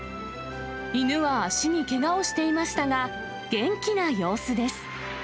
犬は足にけがをしていましたが、元気な様子です。